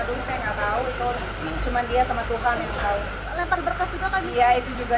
dulu saya nggak tahu itu cuman dia sama tuhan insya allah lepas berkat juga tadi ya itu juga